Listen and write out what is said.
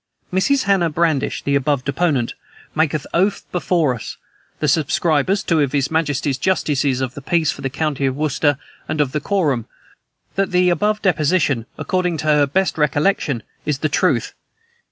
"Mrs. Hannah Bradish, the above deponent, maketh oath before us, the subscribers, two of his majesty's justices of the peace for the county of Worcester, and of the quorum, that the above deposition, according to her best recollection, is the truth.